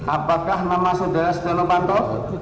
apakah nama saudara setia novanto